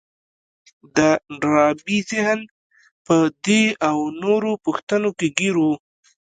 د ډاربي ذهن په دې او نورو پوښتنو کې ګير و.